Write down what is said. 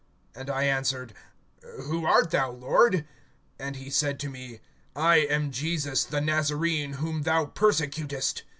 (8)And I answered: Who art thou, Lord? And he said to me: I am Jesus the Nazarene, whom thou persecutest.